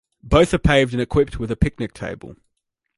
Both are paved and equipped with a picnic table.